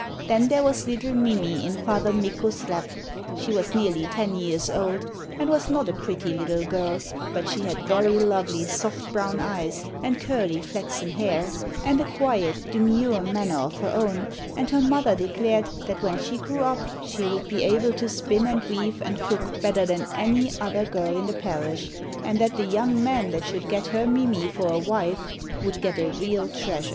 Then there was little Mimi in Father Mikko's lap. She was nearly ten years old, and was not a pretty little girl; but she had very lovely soft brown eyes and curly flaxen hair, and a quiet, demure manner of her own, and her mother declared that when she grew up she would be able to spin and weave and cook better than any other girl in the parish, and that the young man that should get her Mimi for a wife would get a real treasure.